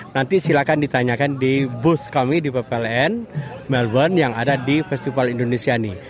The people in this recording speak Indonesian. nanti silakan ditanyakan di bush kami di ppln melbourne yang ada di festival indonesia ini